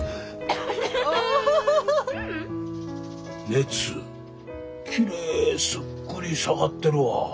熱きれいすっくり下がってるわ。